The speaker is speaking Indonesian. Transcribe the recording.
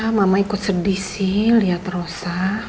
ya mama ikut sedih sih liat rosa